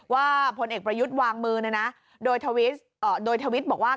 พลเอกประยุทธ์วางมือโดยทวิตบอกว่า